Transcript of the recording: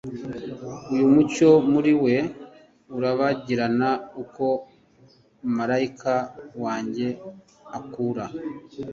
Uyu mucyo muri we urabagirana uko marayika wanjye akura